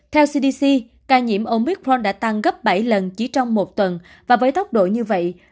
theo cdc ca nhiễm omicron đã tăng gấp bảy lần chỉ trong một tuần và với tốc độ như vậy